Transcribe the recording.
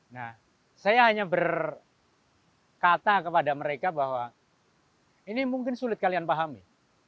nah saya hanya berkata kepada mereka bahwa ini mungkin sulit kalian pahami